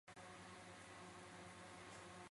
故事主角高坂兄妹的家是在千叶县。